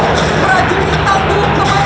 perajungi tangguh kembali